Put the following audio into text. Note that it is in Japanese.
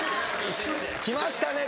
きましたね。